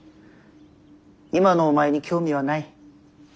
今のお前に興味はない。